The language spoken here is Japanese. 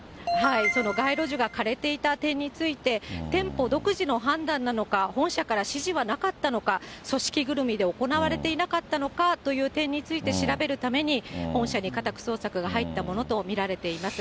街路樹が枯れていた点について、店舗独自の判断なのか、本社から指示はなかったのか、組織ぐるみで行われていなかったのかという点について調べるために、本社に家宅捜索が入ったものと見られています。